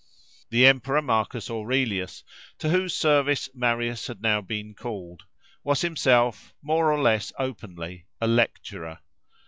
The emperor Marcus Aurelius, to whose service Marius had now been called, was himself, more or less openly, a "lecturer."